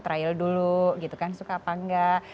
trial dulu gitu kan suka apa enggak